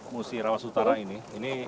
musi rawas utara ini